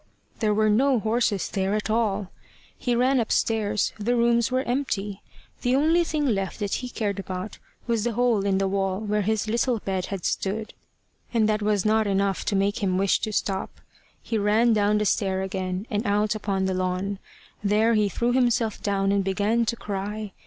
There were no horses there at all. He ran upstairs. The rooms were empty. The only thing left that he cared about was the hole in the wall where his little bed had stood; and that was not enough to make him wish to stop. He ran down the stair again, and out upon the lawn. There he threw himself down and began to cry.